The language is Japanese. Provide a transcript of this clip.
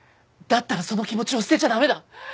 だったらその気持ちを捨てちゃダメだ。